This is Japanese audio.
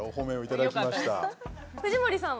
藤森さんは？